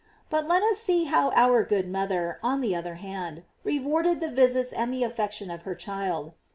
But let us see how our good mother, on the other hand, rewarded the visits and the affection of her child.